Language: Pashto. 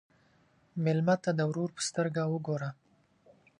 مېلمه ته د ورور په سترګه وګوره.